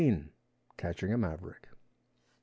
CATCHING A MAVERICK.